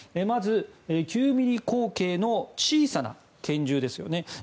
まず、９ｍｍ口径の小さな拳銃ですよね。